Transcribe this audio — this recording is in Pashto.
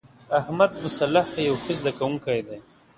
احمدمصلح یو ښه زده کوونکی دی.